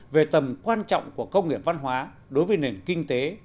về tầm quan trọng của công nghiệp văn hóa đối với nền kinh tế